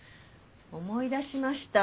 思い出しました。